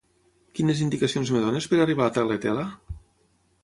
Quines indicacions em dones per arribar a la Tagliatella?